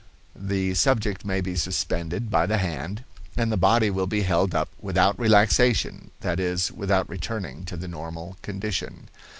The subject may be suspended by the hand, and the body will be held up without relaxation, that is, without returning to the normal condition.